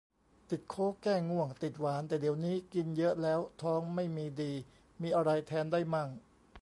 ติดโค้ก แก้ง่วง ติดหวาน แต่เดี๋ยวนี้กินเยอะแล้วท้องไม่มีดี มีอะไรแทนได้มั่ง